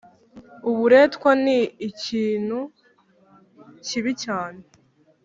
Uburetwan nikintu kibi cyane